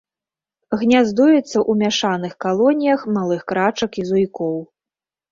Гняздуецца ў мяшаных калоніях малых крачак і зуйкоў.